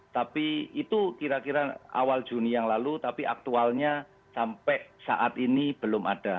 tapi itu kira kira awal juni yang lalu tapi aktualnya sampai saat ini belum ada